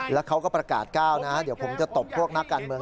แล้วเขาก็ประกาศก้าวนะเดี๋ยวผมจะตบพวกนักการเมือง